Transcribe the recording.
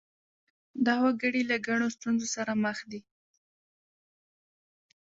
دا وګړي له ګڼو ستونزو سره مخ دي.